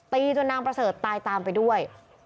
ตีจนนางประเสริฐตายตามไปด้วย